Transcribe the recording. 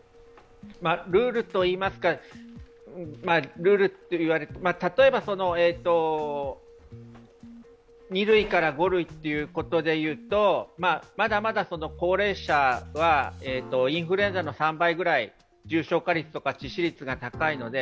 ルールといいますか、例えば２類から５類ということでいうとまだまだ高齢者はインフルエンザの３倍ぐらい、重症化率とか致死率が高いので。